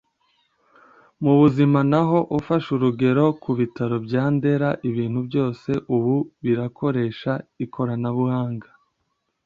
Mu buzima na ho ufashe urugero ku bitaro bya Ndera ibintu byose ubu birakoresha ikoranabuhanga